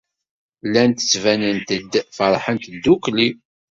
Llant ttbanent-d feṛḥent ddukkli.